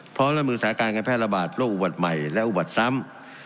พร้อมรับมือสถานการณ์การแพร่ระบาดโรคอุบัติใหม่และอุบัติซ้ำ